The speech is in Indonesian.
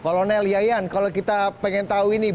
kolonel yayan kalau kita pengen tahu ini